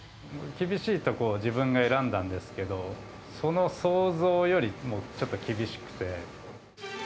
厳しいところを自分が選んだんですけど、その想像よりもちょっと厳しくて。